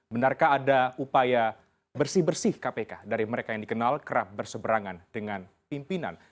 benarkah ada upaya bersih bersih kpk dari mereka yang dikenal kerap berseberangan dengan pimpinan